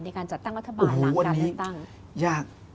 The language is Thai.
ในการจัดตั้งรัฐบาลหลังการเลือกตั้งยาก